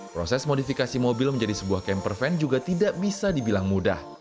proses modifikasi mobil menjadi sebuah camper van juga tidak bisa dibilang mudah